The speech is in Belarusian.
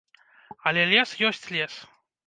Але лес ёсць лес.